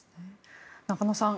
中野さん